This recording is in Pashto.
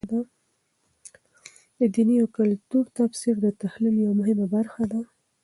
د دیني او کلتور تفسیر د تحلیل یوه مهمه برخه ده.